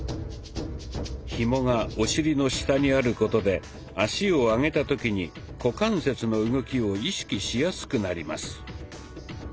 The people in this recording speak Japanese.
ひもがお尻の下にあることで足を上げた時に股関節の動きを意識しやすくなります。